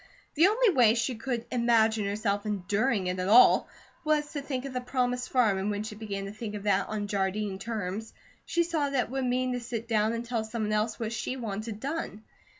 The only way she could imagine herself enduring it at all was to think of the promised farm, and when she began to think of that on Jardine terms, she saw that it would mean to sit down and tell someone else what she wanted done.